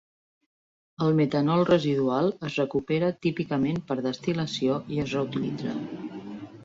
El metanol residual es recupera típicament per destil·lació i es reutilitza.